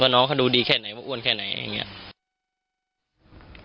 ว่าน้องเขาดูดีแค่ไหนอ้วนแค่ไหนอย่างเงี้ย